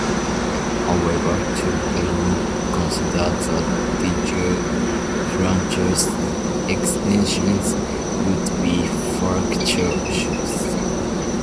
However, to blindly consider the "de jure" franchise extensions would be fallacious.